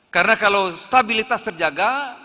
karena kalau stabilitas terjaga